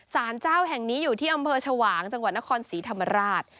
สารเจ้าแห่งนี้อยู่ที่อำเภอชวางจังหวัดนครศรีธรรมราช